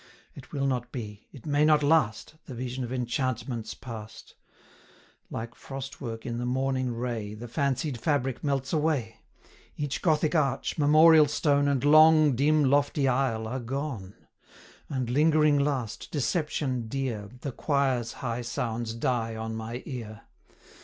It will not be it may not last The vision of enchantment's past: Like frostwork in the morning ray, 220 The fancied fabric melts away; Each Gothic arch, memorial stone, And long, dim, lofty aisle, are gone; And, lingering last, deception dear, The choir's high sounds die on my ear.